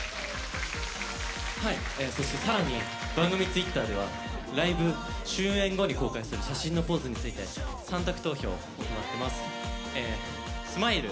そしてさらに番組ツイッターではライブ終演後に公開する写真のポーズについて３択投票を行ってます。